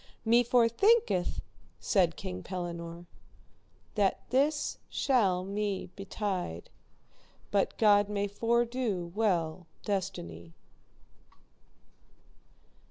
Me forthinketh, said King Pellinore, that this shall me betide, but God may fordo well destiny.